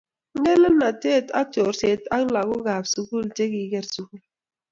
ngelelnotet ak chorset ak lagokab sukul che kiker sukul